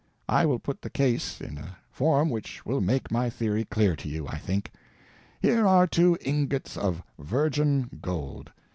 I will put the case in a form which will make my theory clear to you, I think. Here are two ingots of virgin gold.